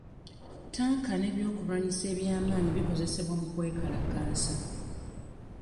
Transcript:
Tanka ne byokulwanyisa eby'amaanyi bikozesebwa mu kwekalakaasa.